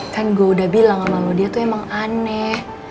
kan gue udah bilang sama lo dia tuh emang aneh